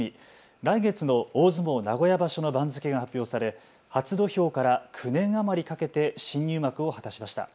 来月の大相撲名古屋場所の番付が発表され初土俵から９年余りかけて新入幕を果たしました。